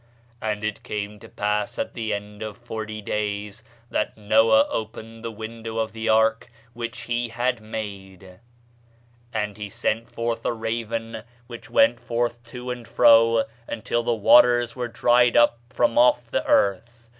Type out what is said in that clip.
"And it came to pass at the end of forty days, that Noah opened the window of the ark which he had made: and he sent forth a raven, which went forth to and fro, until the waters were dried up from off the earth.